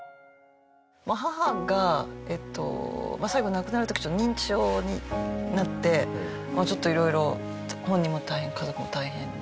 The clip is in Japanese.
母がえっと最後亡くなる時認知症になってちょっといろいろ本人も大変家族も大変で。